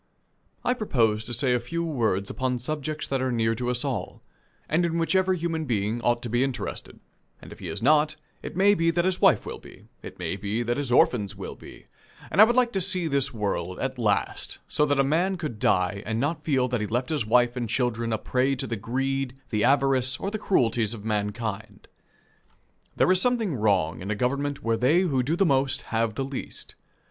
I propose to say a few words upon subjects that are near to us all, and in which every human being ought to be interested and if he is not, it may be that his wife will be, it may be that his orphans will be; and I would like to see this world, at last, so that a man could die and not feel that he left his wife and children a prey to the greed, the avarice, or the cruelties of mankind. There is something wrong in a government where they who do the most have the least.